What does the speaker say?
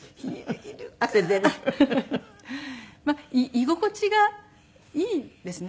居心地がいいですね。